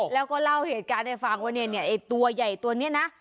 แล้วก็เล่าเหตุการณ์ให้ฟังว่าเนี่ยไอ้ตัวใหญ่ตัวนี้นะ